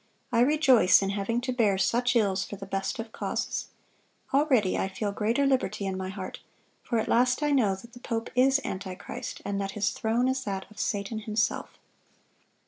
I rejoice in having to bear such ills for the best of causes. Already I feel greater liberty in my heart; for at last I know that the pope is antichrist, and that his throne is that of Satan himself."